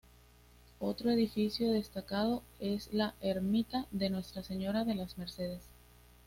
Otro edificio destacado es la Ermita de Nuestra Señora de las Mercedes.